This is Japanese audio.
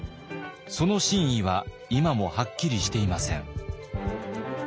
その真意は今もはっきりしていません。